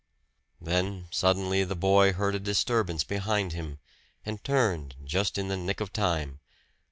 Then suddenly the boy heard a disturbance behind him, and turned, just in the nick of time.